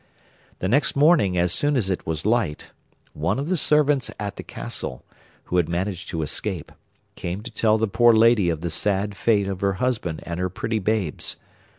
'The next morning, as soon as it was light, one of the servants at the castle, who had managed to escape, came to tell the poor lady of the sad fate of her husband and her pretty babes.